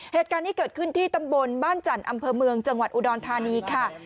เหตุการณ์นี้เกิดขึ้นที่ตำบลบ้านจันทร์อำเภอเมืองจังหวัดอุดรธานีค่ะ